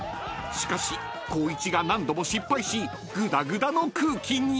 ［しかし光一が何度も失敗しぐだぐだの空気に］